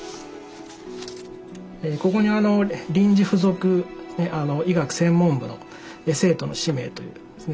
ここに臨時附属医学専門部の生徒の氏名というですね